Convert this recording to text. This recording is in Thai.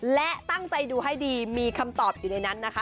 และตั้งใจดูให้ดีมีคำตอบอยู่ในนั้นนะคะ